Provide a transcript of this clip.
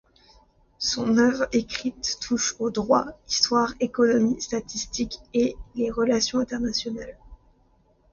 Son œuvre écrite touche au droit, histoire, économie, statistiques et les relations internationales.